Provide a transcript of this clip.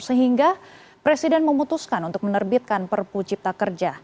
sehingga presiden memutuskan untuk menerbitkan perpu cipta kerja